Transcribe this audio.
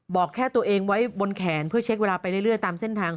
บอกแค่ตัวเองไว้บนแขนเพื่อเช็คเวลาไปเรื่อยตามเส้นทาง